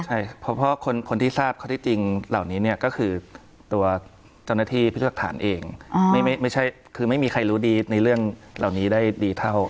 ใช่เพราะคนที่ทราบข้อที่จริงเหล่านี้เนี่ยก็คือตัวเจ้าหน้าที่พิสูจน์หลักฐานเองไม่ใช่คือไม่มีใครรู้ดีในเรื่องเหล่านี้ได้ดีเท่า